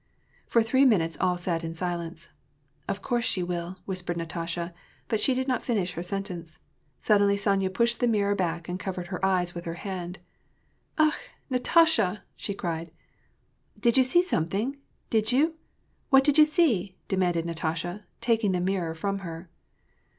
For three minutes all sat in silence. "Of course she will" — whispered Natasha^ but she did not finish her sen tence. Suddenly Sonya pushed the mirror back, and covered he eyes with her hand. "Akh! Natasha!" she cried. " Did you see something ? Did you ? What did you see ?" demanded Natasha, taking the mirror from her.